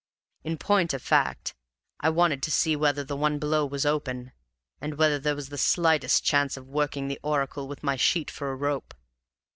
In point of fact, I wanted to see whether the one below was open, and whether there was the slightest chance of working the oracle with my sheet for a rope.